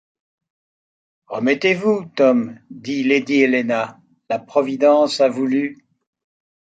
Remettez-vous, Tom, dit lady Helena, la Providence a voulu…